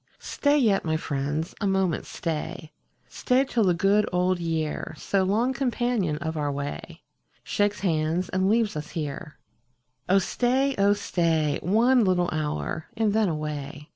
Stat yet, my friends, a moment stay — Stay till the good old year, So long companion of our way, Shakes hands, and leaves ns here. Oh stay, oh stay. One little hour, and then away.